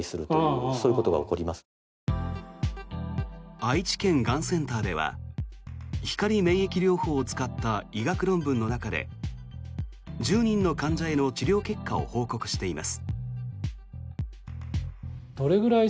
愛知県がんセンターでは光免疫療法を使った医学論文の中で１０人の患者への治療結果を報告しています。